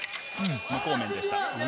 無効面でした。